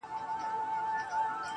چې ژوندی انسان هره ورځ